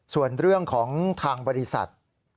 ส่วนเรื่องของทางบริษัท